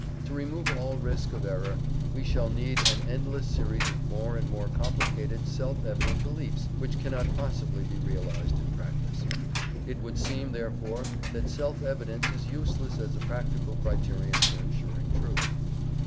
To remove all risk of error, we shall need an endless series of more and more complicated self evident beliefs, which cannot possibly be realized in practice. It would seem, therefore, that self evidence is useless as a practical criterion for insuring truth.